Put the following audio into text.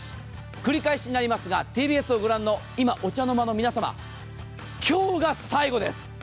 繰り返しになりますがＴＢＳを御覧のお茶の間の皆様今日が最後です。